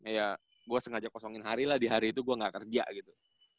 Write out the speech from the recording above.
ya gua sengaja kosongin hari lah di hari itu gua gak kerja gitu